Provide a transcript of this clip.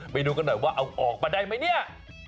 ไปดูกันหน่อยว่าออกไปได้มั้ยเนี่ย